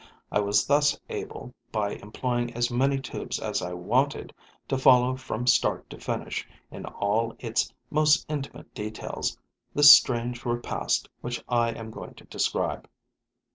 I was thus able, by employing as many tubes as I wanted, to follow from start to finish, in all its most intimate details, the strange repast which I am going to describe.